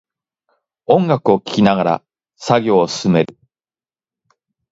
音楽を聴きながら作業を進める